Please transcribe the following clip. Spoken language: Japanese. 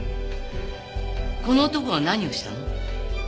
この男が何をしたの？